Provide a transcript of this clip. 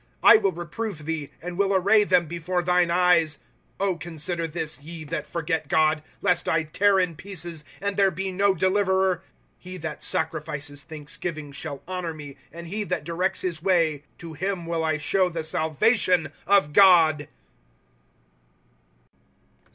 I will reprove thee, and will array them before thine eyes, ^^ O consider this, ye that forget God, Lest I tear in pieces, and there be no deliverer. ^' He that sacrifices thanksgiving shall honor me ; And he that directs his way, To him will I show the salvation of God.